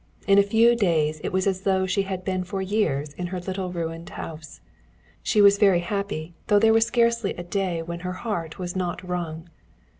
In a few days it was as though she had been for years in her little ruined house. She was very happy, though there was scarcely a day when her heart was not wrung.